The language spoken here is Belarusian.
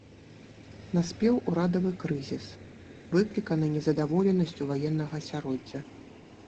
Наспеў урадавы крызіс, выкліканы незадаволенасцю ваеннага асяроддзя.